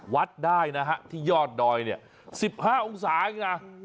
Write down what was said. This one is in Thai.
วัดได้นะฮะที่ยอดดอยสิบห้าองศาอย่างนั้น